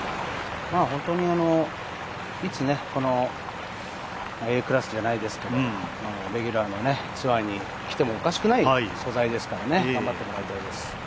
本当に、いつＡクラスじゃないですけどレギュラーのツアーに来てもおかしくない逸材ですから、頑張っていただきたいです。